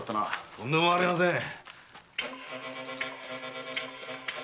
とんでもありません。